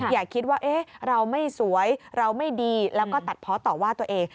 อย่าคิดว่าเราไม่สวยเราไม่ดีแล้วก็ตัดเพาะต่อว่าตัวเอง